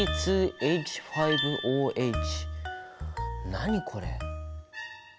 何これ？